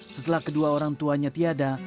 setelah kedua orang tuanya tiada